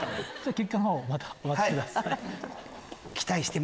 結果のほうお待ちください。